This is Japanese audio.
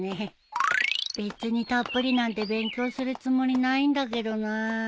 別にたっぷりなんて勉強するつもりないんだけどな